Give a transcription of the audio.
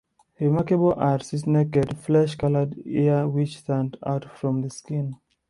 Remarkable are its naked, flesh-colored ears which stand out from the skin.